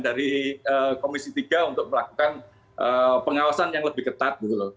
dari komisi tiga untuk melakukan pengawasan yang lebih ketat